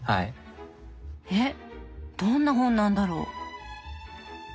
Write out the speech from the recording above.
えっどんな本なんだろう？